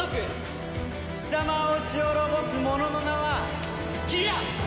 貴様を討ち滅ぼす者の名はギラ！